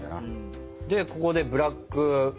でここでブラック。